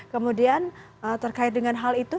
kemudian terkait dengan hal itu